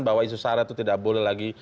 bahwa isu sara itu tidak boleh lagi